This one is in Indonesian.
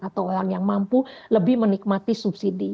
atau orang yang mampu lebih menikmati subsidi